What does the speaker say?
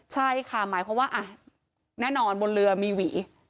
ใช่ค่ะหมายความว่าแน่นอนบนเรือมีหวี